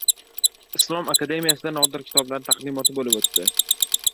Islom akademiyasida nodir kitoblar taqdimoti bo‘lib o‘tdi